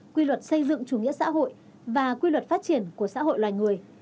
quy luật xây dựng chủ nghĩa xã hội và quy luật phát triển của xã hội loài người